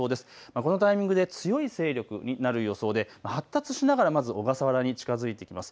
このタイミングで強い勢力になる予想で発達しながらまず小笠原に近づいてきます。